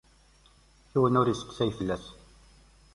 Yiwen ur isteqsay fell-as.